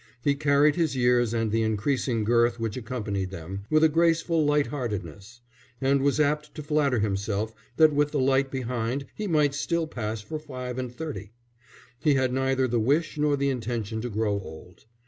He carried his years and the increasing girth which accompanied them, with a graceful light heartedness; and was apt to flatter himself that with the light behind he might still pass for five and thirty. He had neither the wish nor the intention to grow old.